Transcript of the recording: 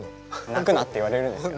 泣くなって言われるんですよね。